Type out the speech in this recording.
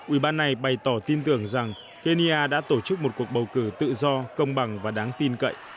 ủy ban này bày tỏ tin tưởng rằng kenya đã tổ chức một cuộc bầu cử tự do công bằng và đáng tin cậy